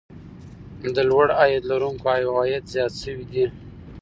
د لوړ عاید لرونکو عوايد زیات شوي دي